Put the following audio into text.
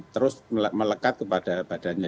terus melekat kepada badannya